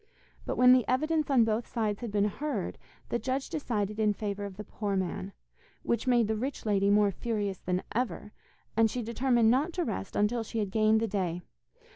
But when the evidence on both sides had been heard, the judge decided in favour of the poor man, which made the rich lady more furious than ever, and she determined not to rest until she had gained the day.